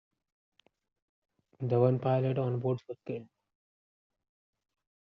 The one pilot onboard was killed.